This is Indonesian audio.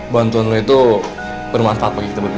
bantuan lo itu bermanfaat bagi kita berdua